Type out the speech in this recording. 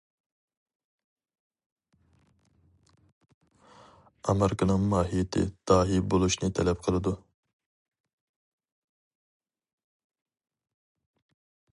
ئامېرىكىنىڭ ماھىيىتى داھىي بولۇشنى تەلەپ قىلىدۇ.